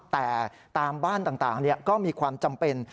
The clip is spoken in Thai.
แต่ตามบ้านต่างก็มีความจำเป็น